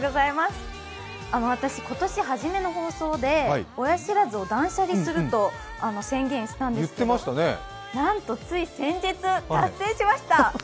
今年初めの放送で親知らずを断捨離すると宣言したんですけど、なんとつい先日、達成しました。